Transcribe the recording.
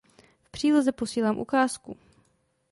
V příloze posílám ukázku.